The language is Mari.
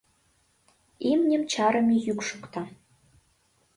Имньым чарыме йӱк шокта.